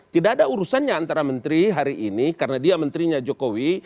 tidak ada urusannya antara menteri hari ini karena dia menterinya jokowi